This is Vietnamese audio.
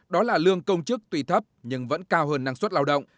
đó là lương công chức tùy thấp nhưng vẫn cao hơn năng suất lao động